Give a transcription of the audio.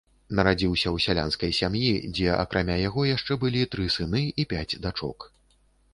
Нарадзіўся ў сялянскай сям'і, дзе акрамя яго яшчэ былі тры сыны і пяць дачок.